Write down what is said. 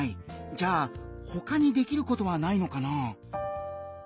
じゃあ他にできることはないのかな？